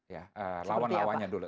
ya lawan lawannya dulu